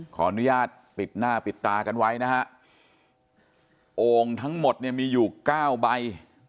ขออนุญาตปิดหน้าปิดตากันไว้นะฮะโอ่งทั้งหมดเนี่ยมีอยู่เก้าใบ